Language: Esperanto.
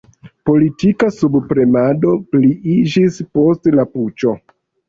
Politika subpremado pliiĝis post la puĉo.